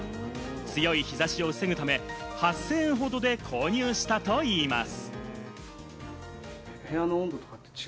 強い日差しを防ぐため、８０００円ほどで購入したといいます。